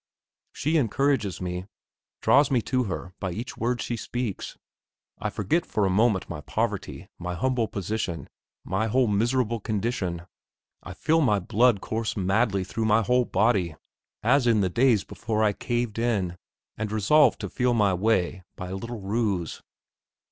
She encourages me, draws me to her by each word she speaks. I forget for a moment my poverty, my humble position, my whole miserable condition. I feel my blood course madly through my whole body, as in the days before I caved in, and resolved to feel my way by a little ruse.